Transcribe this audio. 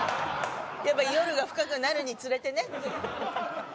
夜が深くなるにつれてね。